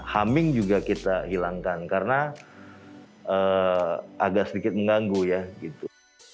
huming juga kita hilangkan karena agak sedikit mengganggu ya gitu